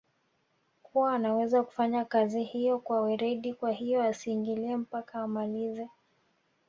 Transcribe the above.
kuwa anaweza kufanya kazi hiyo kwa weredi kwahiyo asiingilie mpaka amalize